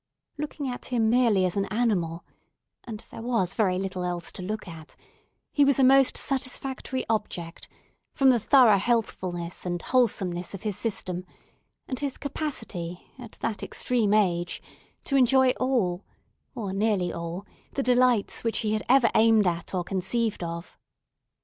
Looking at him merely as an animal—and there was very little else to look at—he was a most satisfactory object, from the thorough healthfulness and wholesomeness of his system, and his capacity, at that extreme age, to enjoy all, or nearly all, the delights which he had ever aimed at or conceived of.